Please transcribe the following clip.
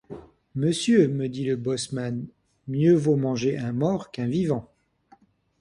Monsieur, me dit le bosseman, mieux vaut manger un mort qu’un vivant !